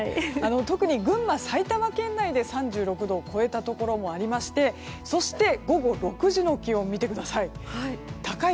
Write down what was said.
特に群馬、埼玉県内で３６度を超えたところもありましてそして、午後６時の気温見てください。